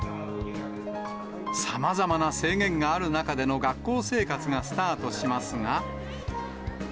さまざまな制限がある中での学校生活がスタートしますが。